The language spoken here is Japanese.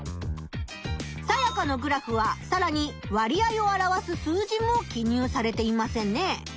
サヤカのグラフはさらに割合を表す数字も記入されてませんね。